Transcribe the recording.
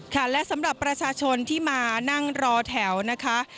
ค่ะและสำหรับประชาชนที่มานั่งรอแถวนะคะ